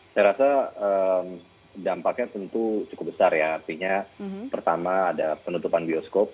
saya rasa dampaknya tentu cukup besar ya artinya pertama ada penutupan bioskop